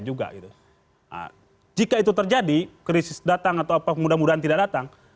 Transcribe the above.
jika itu terjadi krisis datang atau apa mudah mudahan tidak datang